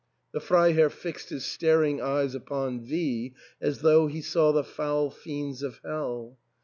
The Freiherr fixed his staring eyes upon V as though he saw the foul fiends of hell.